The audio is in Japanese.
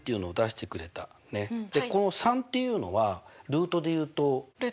この３っていうのはルートで言うと。。